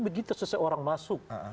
begitu seseorang masuk